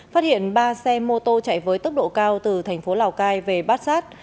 phát hiện ba xe mô tô chạy với tốc độ cao từ thành phố lào cai về bát sát